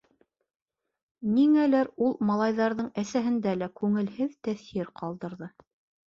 Ниңәлер ул малайҙарҙың әсеһендә лә күңелһеҙ тәьҫир ҡалдырҙы.